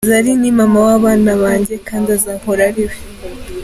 Zari ni Mama w’abana banjye kandi azahora ari we.